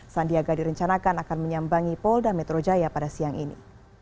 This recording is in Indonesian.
sandiaga direncanakan akan menyambangi polda metro jaya pada siang ini